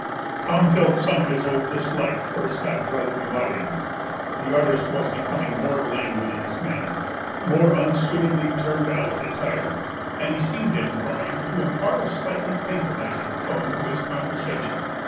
Tom felt some of his old dislike for his half brother reviving; the artist was becoming more languid in his manner, more unsuitably turned out in attire, and he seemed inclined to impart a slightly patronising tone to his conversation.